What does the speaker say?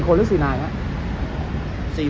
คนหรือ๔นายครับ